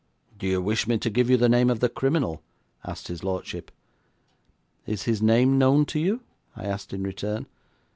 'Do you wish me to give you the name of the criminal?' asked his lordship. 'Is his name known to you?' I asked in return.